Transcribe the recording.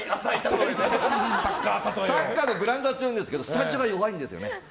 サッカーのグラウンドは強いんですけどスタジオは弱いんですよね。